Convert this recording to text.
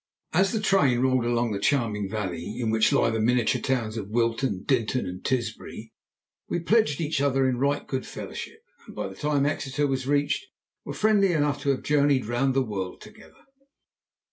As the train rolled along the charming valley, in which lie the miniature towns of Wilton, Dinton, and Tisbury, we pledged each other in right good fellowship, and by the time Exeter was reached were friendly enough to have journeyed round the world together.